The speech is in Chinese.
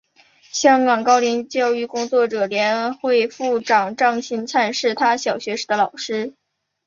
香港高龄教育工作者联会副会长张钦灿是他小学时的老师。